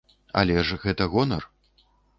Але ж гэта гонар.